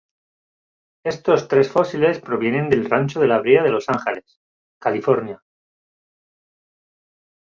Estos tres fósiles provienen del Rancho La Brea de Los Ángeles, California.